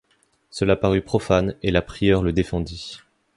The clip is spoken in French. Cela parut profane, et la prieure le défendit.